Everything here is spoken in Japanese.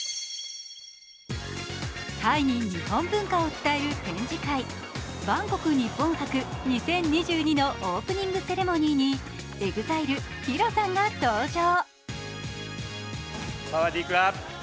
タイに日本文化を伝える展示会、バンコク日本博２０２２のオープニングセレモニーにＥＸＩＬＥ・ＨＩＲＯさんが登場。